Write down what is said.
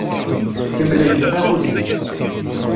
Kemmlemt taɣuzi.